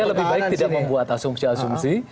saya lebih baik tidak membuat asumsi asumsi